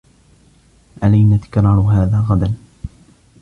علينا تكرار هذا غدا.